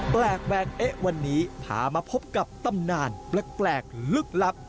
แปลกแวกเอ๊ะวันนี้พามาพบกับตำนานแปลกลึกลับ